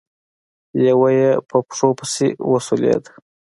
لېوه يې په پښو پسې وسولېد.